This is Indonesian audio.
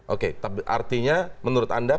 oke artinya menurut anda